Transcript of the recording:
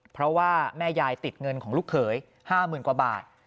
เพราะว่าแม่ยายติดเงินของลูกเขย๕๐๐๐กว่าบาท